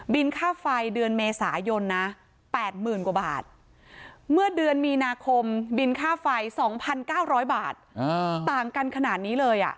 ค่าไฟเดือนเมษายนนะ๘๐๐๐กว่าบาทเมื่อเดือนมีนาคมบินค่าไฟ๒๙๐๐บาทต่างกันขนาดนี้เลย